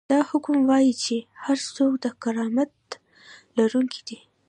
دا حکم وايي چې هر څوک د کرامت لرونکی دی.